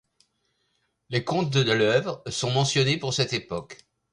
Les comptes de l'œuvre sont mentionnés pour cette époque.